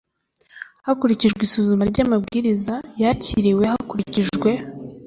hakurikijwe isuzuma ry amabwiriza yakiriwe hakurikijwe